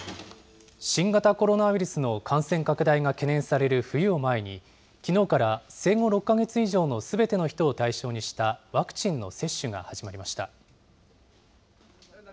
新型コロナウイルスの感染拡大が懸念される冬を前に、きのうから生後６か月以上のすべての人を対象にしたワクチンの接種が始まりました。